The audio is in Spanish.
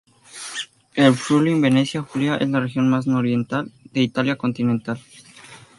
El Friuli-Venecia Julia es la región más nororiental de Italia continental.